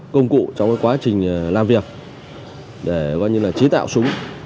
công cụ trong quá trình làm việc để coi như là chế tạo súng